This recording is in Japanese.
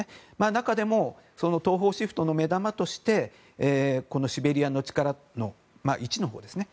中でも東方シフトの目玉としてシベリアの力の１のほうですね。